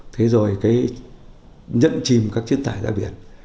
thế rồi cái nhận chìm các chất thải ra biển